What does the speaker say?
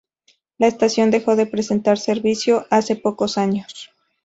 La estación dejó de prestar servicio hace pocos años.